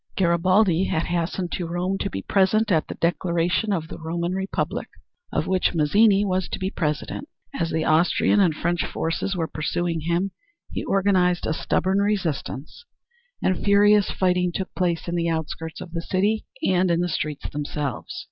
Garibaldi had hastened to Rome to be present at the declaration of the Roman Republic, of which Mazzini was to be President. As the Austrian and French forces were pursuing him he organized a stubborn resistance, and furious fighting took place in the outskirts of the city and in the streets themselves.